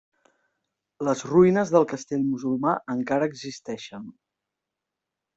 Les ruïnes del castell musulmà encara existeixen.